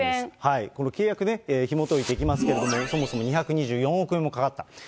この契約ね、ひもといていきますけれども、そもそも２２４億円もかかった。